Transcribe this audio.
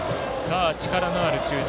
力のある中軸。